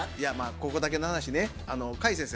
ここだけの話ね甲斐先生